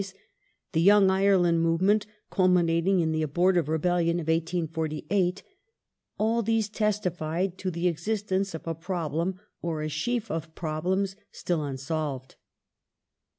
the "Young Ireland" movement, cul minating in the abortive rebellion of 1848 — all these testified to the existence of a problem or a sheaf of problems still unsolved.